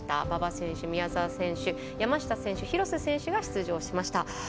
馬場選手、宮沢選手山下選手、廣瀬選手が出場しました。